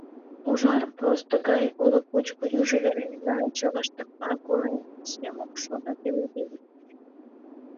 Ужар посто гай олык мучко южо вере, нарынче лаштыкла койын, семыкшудо пеледеш.